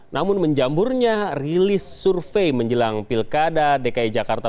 namun menjamburnya rilis survei menjelang pilkada dki jakarta